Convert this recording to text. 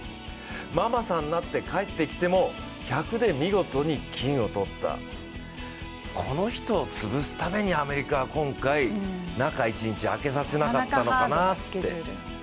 ママさんになって帰ってきても１００で見事に金を取った、この人を潰すためにアメリカは今回、中１日空けさせなかったのかなって。